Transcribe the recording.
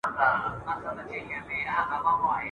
شهنشاه یم د غرڅه وو د لښکرو !.